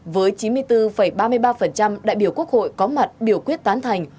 với chín mươi bốn ba mươi ba đại biểu quốc hội có mặt biểu quyết tán thành